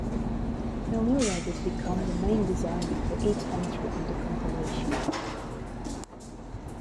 Nomura would become the main designer for each entry in the "Compilation".